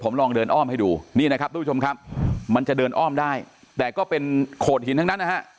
ผมลองเดินอ้อมให้ดูนี่นะครับทุกผู้ชมครับมันจะเดินอ้อมได้แต่ก็เป็นโขดหินทั้งนั้นนะฮะ